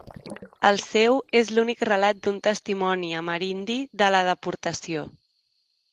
El seu és l'únic relat d'un testimoni amerindi de la deportació.